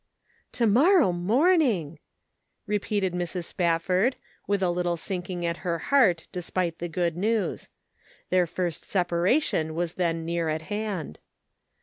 386 The Pocket Measure. " To morrow morning," repeated Mrs. Spaf ford, with a little sinking at her heart despite the good news ; their first separation was then near at hand.